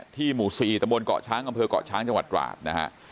ที่หมู่สี่ตระบวนเกาะช้างบริเวณเกาะช้างจังหวัดกราบนะฮะ